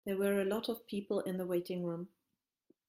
There were a lot of people in the waiting room.